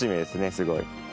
すごい。